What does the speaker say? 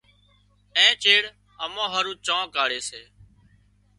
اين چيڙ اَمان هارو چانه ڪاڙهي سي۔